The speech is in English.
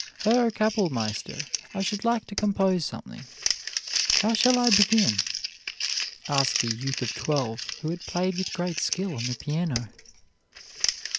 "Herr Capellmeister, I should like to compose something; how shall I begin?" asked a youth of twelve who had played with great skill on the piano.